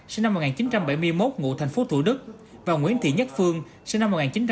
sinh năm một nghìn chín trăm bảy mươi một ngụ thành phố thủ đức và nguyễn thị nhất phương sinh năm một nghìn chín trăm tám mươi